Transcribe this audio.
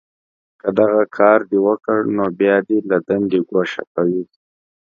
که دغه کار دې وکړ، نو بیا دې له دندې گوښه کوي